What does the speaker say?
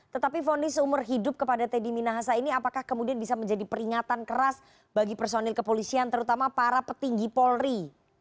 tetapi fonis seumur hidup kepada teddy minahasa ini apakah kemudian bisa menjadi peringatan keras bagi personil kepolisian terutama para petinggi polri